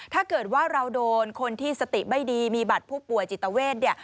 ถ้าเราโดนคนที่สติไม่ดีมีบัตรผู้ป่วยจิตเวท